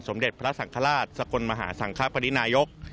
เด็จพระสังฆราชสกลมหาสังคปรินายก